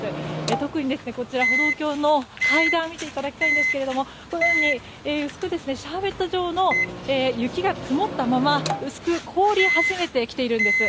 特に、歩道橋の階段を見ていただきたいんですけれどもこのように薄くシャーベット状の雪が積もったまま薄く凍り始めています。